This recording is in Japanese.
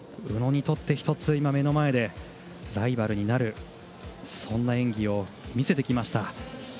宇野にとって、１つ目の前でライバルになる演技を見せてきました。